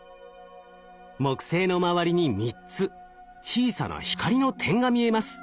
木星の周りに３つ小さな光の点が見えます。